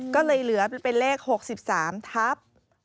ก็เลยเหลือเป็นเลข๖๓ทับ